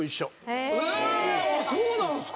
そうなんすか。